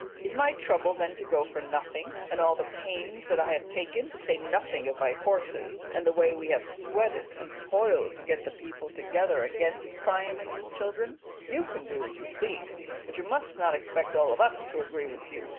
Is my trouble then to go for nothing, and all the pains that I have taken, to say nothing of my horses, and the way we have sweated and toiled to get the people together against Priam and his children? You can do as you please, but you must not expect all of us to agree with you.'